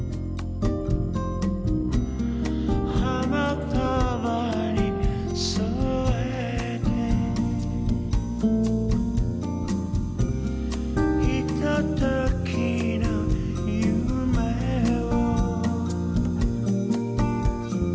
「花束に添えて」「ひとときの夢を」